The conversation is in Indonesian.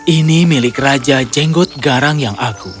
ini milik raja jenggot gan